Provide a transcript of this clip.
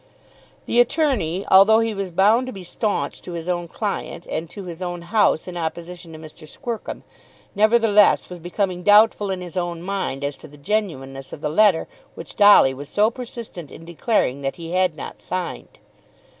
The attorney, although he was bound to be staunch to his own client, and to his own house in opposition to Mr. Squercum, nevertheless was becoming doubtful in his own mind as to the genuineness of the letter which Dolly was so persistent in declaring that he had not signed.